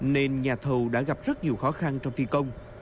nên nhà thầu đã gặp rất nhiều khó khăn trong thi công